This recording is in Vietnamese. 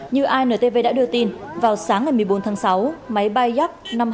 như intv đã đưa tin vào sáng ngày một mươi bốn tháng sáu máy bay yak năm mươi hai